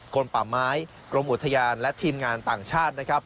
ลมป่าไม้กรมอุทยานและทีมงานต่างชาตินะครับ